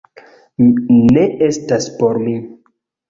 Ne estas por mi